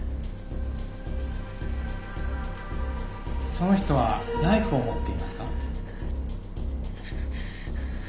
「その人はナイフを持っていますか？」